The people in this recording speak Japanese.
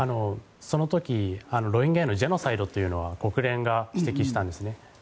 その時、ロヒンギャのジェノサイドというのを国連が指摘したんですね。